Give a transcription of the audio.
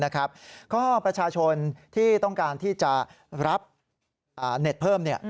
ก็ประชาชนที่ต้องการที่จะรับเน็ตเพิ่ม